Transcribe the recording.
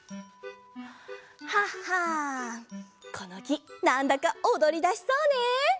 ハハンこのきなんだかおどりだしそうね。